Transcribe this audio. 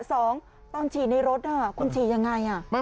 สองตอนฉี่ในรถคุณฉี่ยังไง